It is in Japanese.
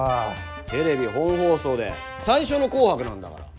テレビ本放送で最初の「紅白」なんだから！